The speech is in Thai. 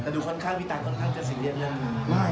แต่อีกตายค่อนข้างเป็นสิ่งเลี่ยนเรื่องนี้